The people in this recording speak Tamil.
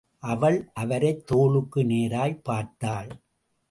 அவள், அவரைத் தோளுக்கு நேராய்ப் பார்த்தாள்.